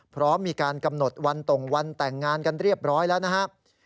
พร้อมมีการกำหนดวันตรงวันแต่งงานกันเรียบร้อยแล้วนะครับ